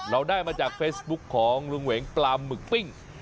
เราได้มาจากเฟซบุ๊คของลุงเหวงปลาหมึกปิ้ง